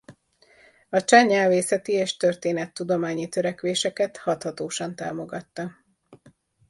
A cseh nyelvészeti és történettudományi törekvéseket hathatósan támogatta.